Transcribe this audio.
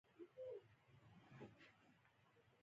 دوی دومره سره نږدې دي چې یو بل ته یې غږ هم رسېږي.